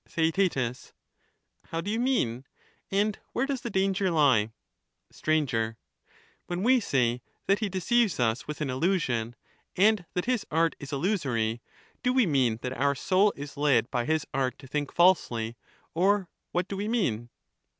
Theaet, How do you mean ? And where does the danger lie? Str, When we say that he deceives us with an illusion, and that his art is illusory, do we mean that our soul is led by his art to think falsely, or what do we mean